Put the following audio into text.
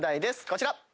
こちら！